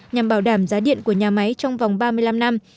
nhằm bảo đảm giá điện của nhà máy trong vòng ba mươi năm năm